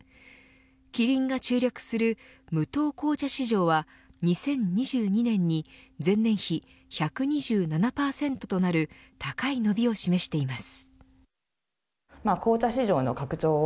キリンの注力する無糖紅茶市場は２０２２年に前年比１２７％となる高い伸びを示しています。